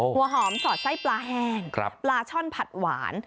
หัวหอมสอดไส้ปลาแห้งปลาช่อนผัดหวาน